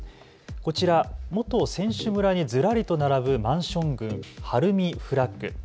こちら元選手村にずらりと並ぶマンション群、晴海フラッグ。